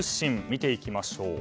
見ていきましょう。